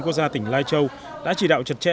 quốc gia tỉnh lai châu đã chỉ đạo chặt chẽ